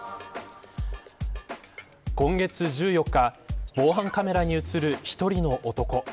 今月１４日防犯カメラに映る１人の男。